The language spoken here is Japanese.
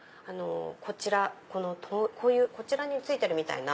こちらこういうこちらについてるみたいな。